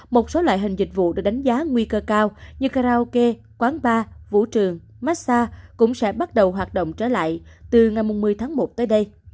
một số loại hình dịch vụ được đánh giá nguy cơ cao như karaoke quán bar vũ trường massage cũng sẽ bắt đầu hoạt động trở lại từ ngày một mươi tháng một tới đây